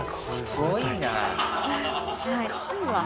すごいわ。